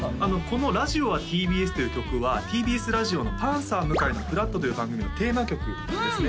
この「ラジオはＴＢＳ」という曲はＴＢＳラジオの「パンサー向井の＃ふらっと」という番組のテーマ曲なんですね